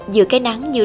giữa cái nắng như đêm